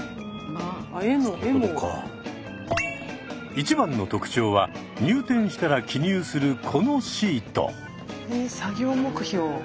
一番の特徴は入店したら記入するこのシート。